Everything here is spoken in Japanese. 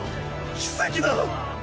奇跡だ！